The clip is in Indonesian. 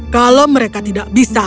kalau mereka tidak bisa